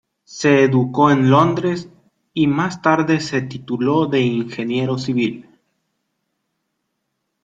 Se educó en Londres; y más tarde se tituló de Ingeniero Civil.